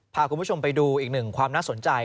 พาคุณผู้ชมไปดูอีกหนึ่งความน่าสนใจ